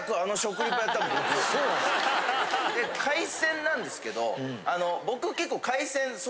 そうなの？で海鮮なんですけど僕結構。